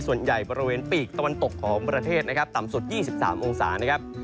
ส่วนใหญ่บริเวณปีกตะวันตกของประเทศต่ำสุด๒๓องศา